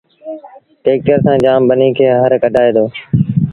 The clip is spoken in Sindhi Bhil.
ٽيڪٽر سآݩ جآم ٻنيٚ کي هر ڪڍآئي دو